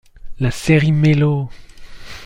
La série Mélo!